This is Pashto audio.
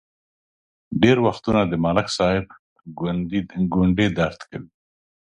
ډېر وختونه د ملک صاحب ګونډې درد کوي.